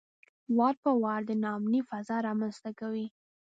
وار په وار د ناامنۍ فضا رامنځته کوي.